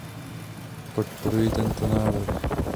Podporuji tento návrh.